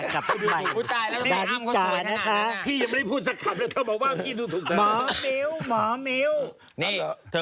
กลับไปรายวิจารณ์นะคะ